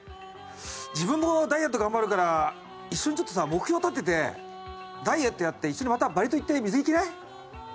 自分もダイエット頑張るから一緒にちょっとさ目標立ててダイエットやって一緒にまたバリ島行って水着着ない？